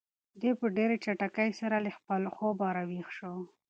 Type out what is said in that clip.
دی په ډېرې چټکۍ سره له خپل خوبه را ویښ شو.